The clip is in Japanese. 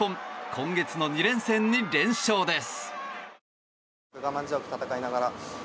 今月の２連戦に連勝です。